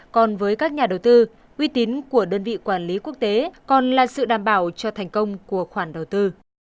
còn với các nhà đầu tư uy tín của đơn vị quản lý quốc tế còn là sự đảm bảo cho thành công của khoản đầu tư